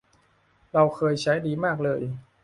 เราเคยใช้ดีมากเลย